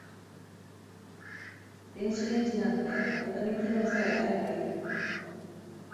電子レンジなんて温め機能さえあればいい